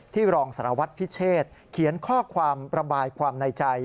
รองสารวัตรพิเชษเขียนข้อความระบายความในใจ